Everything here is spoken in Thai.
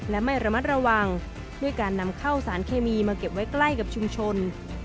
และไม่ระมัดระวังด้วยการนำเข้าสารเคมีมาเก็บไว้ใกล้กับชุมชน